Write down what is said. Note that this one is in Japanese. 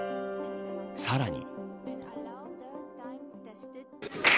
さらに。